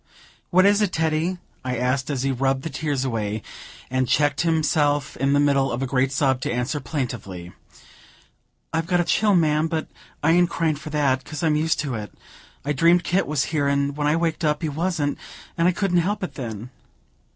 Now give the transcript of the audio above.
"What is it, Teddy?" I asked, as he rubbed the tears away, and checked himself in the middle of a great sob to answer plaintively: "I've got a chill, ma'am, but I ain't cryin' for that, 'cause I'm used to it. I dreamed Kit was here, and when I waked up he wasn't, and I couldn't help it, then."